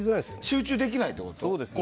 集中できないってことですか